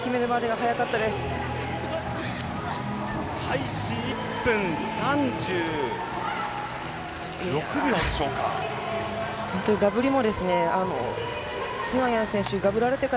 開始１分３６秒ですか。